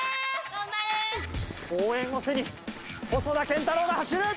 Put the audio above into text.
応援を背に細田健太郎が走る。